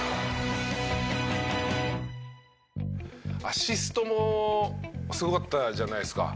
アシストもすごかったじゃないですか。